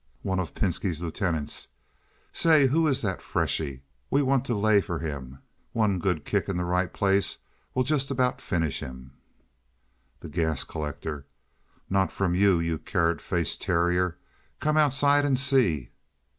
One of Pinski's Lieutenants. "Say, who is that freshie? We want to lay for him. One good kick in the right place will just about finish him." The Gas Collector. "Not from you, you carrot faced terrier. Come outside and see."